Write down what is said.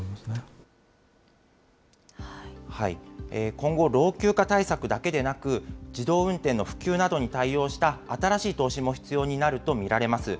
今後、老朽化対策だけでなく、自動運転の普及などに対応した新しい投資も必要になると見られます。